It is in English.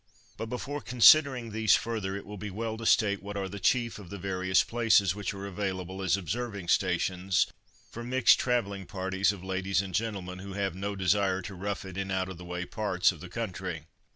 But before considering these further it will be well to state what are the chief of the various places which are available as observing stations for mixed travelling parties of ladies and gentlemen who have no desire to rough it in out of the way parts of the country.